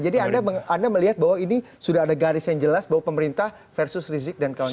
jadi anda melihat bahwa ini sudah ada garis yang jelas bahwa pemerintah versus rizik dan kawannya